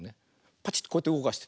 パチッてこうやってうごかして。